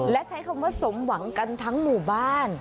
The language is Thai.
และใช้คำว่าสมหวังกันทั้งหมู่บ้าน